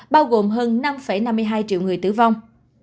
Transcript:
bao gồm hơn năm năm mươi hai triệu người tử vong